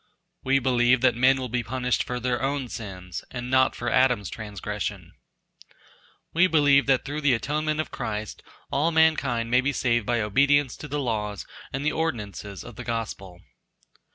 We believe that men will be punished for their own sins and not for Adam's transgression. We believe that through the atonement of Christ all mankind may be saved by obedience to the laws and ordinances of the Gospel.